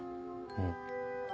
うん。